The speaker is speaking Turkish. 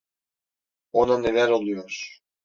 Ona neler oluyor?